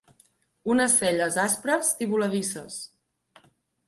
Unes celles aspres i voladisses.